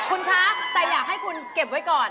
คุณคะแต่อยากให้คุณเก็บไว้ก่อน